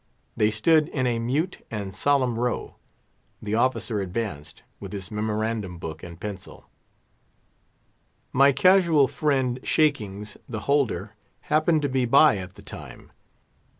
They stood in a mute and solemn row; the officer advanced, with his memorandum book and pencil. My casual friend, Shakings, the holder, happened to be by at the time.